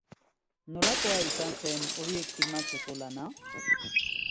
Nolakoa izan zen horiek filmatzeko lana?